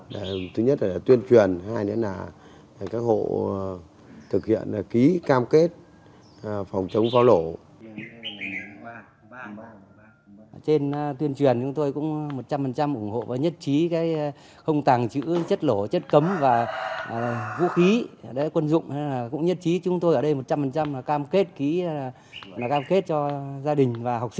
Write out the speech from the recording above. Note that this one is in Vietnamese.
để phổ biến